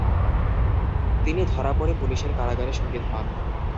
তিনি ধরা পড়ে পুলিশের কারাগারে শহীদ হন।